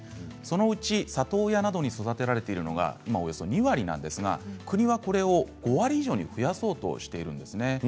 そのうち里親などに育てられているのは今およそ２割なんですが国はこれを５割以上に増やそうとしているんです。